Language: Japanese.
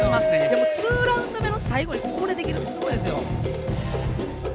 でも２ラウンド目の最後にこれできるってすごいですよ。